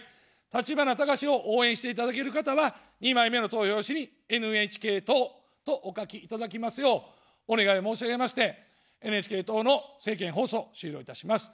立花孝志を応援していただける方は、２枚目の投票用紙にＮＨＫ党とお書きいただきますようお願いを申し上げまして、ＮＨＫ党の政見放送を終了いたします。